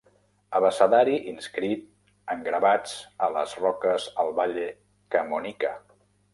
Abecedari inscrit en gravats a les roques al Valle Camonica.